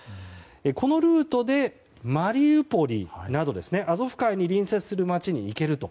このルートで、マリウポリなどアゾフ海に隣接する街に行けると。